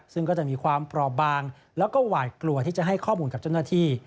ซึ่งก็จะมีความปลอบบางแล้วก็หวาดกลัวที่จะให้ข้อมูลกับเจ้าหน้าที่